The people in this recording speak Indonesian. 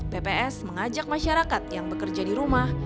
pps mengajak masyarakat yang bekerja di rumah